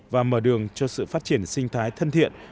và mở đường cho sự phát triển sinh thái thân thiện